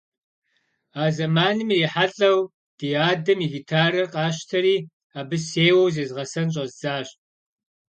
А зэманым ирихьэлӀэу ди адэм и гитарэр къасщтэри, абы сеуэу зезгъэсэн щӀэздзащ.